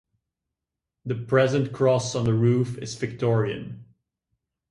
The present cross on the roof is Victorian.